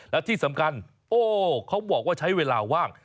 และที่สำคัญโอ้เขาบอกว่าใช้เวลาว่าง